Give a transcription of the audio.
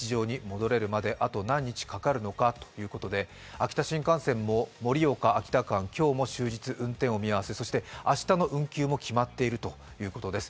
秋田新幹線も盛岡−秋田間、今日は運転見合わせ、そして明日の運休も決まっているということです。